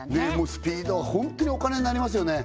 スピードはホントにお金になりますよね